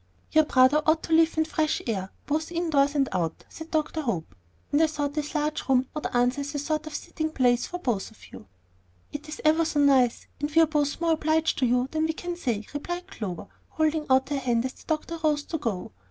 "Your brother ought to live in fresh air both in doors and out," said Dr. Hope; "and I thought this large room would answer as a sort of sitting place for both of you." "It's ever so nice; and we are both more obliged to you than we can say," replied Clover, holding out her hand as the doctor rose to go.